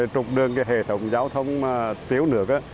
trục đường cái hệ thống giao thông tiếu nước